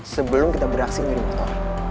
sebelum kita beraksi ngiri motor